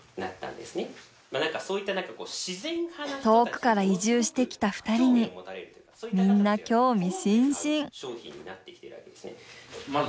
遠くから移住してきた２人にみんな興味津々。